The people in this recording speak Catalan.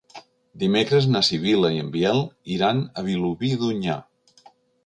Dimecres na Sibil·la i en Biel iran a Vilobí d'Onyar.